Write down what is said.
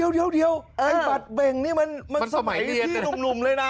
เดี๋ยวไอ้บัตรเบ่งนี่มันสมัยพี่หนุ่มเลยนะ